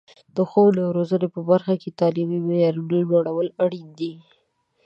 د ښوونې او روزنې په برخه کې د تعلیمي معیارونو لوړول اړین دي.